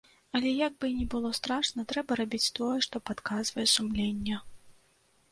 Але, як бы ні было страшна, трэба рабіць тое, што падказвае сумленне.